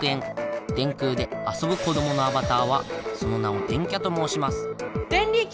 電空で遊ぶ子どものアバターはその名を「電キャ」ともうしますデンリキ！